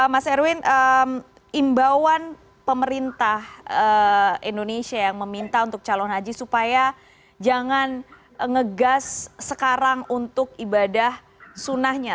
mas erwin imbauan pemerintah indonesia yang meminta untuk calon haji supaya jangan ngegas sekarang untuk ibadah sunnahnya